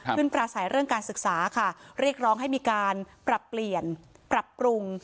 ปราศัยเรื่องการศึกษาค่ะเรียกร้องให้มีการปรับเปลี่ยนปรับปรุง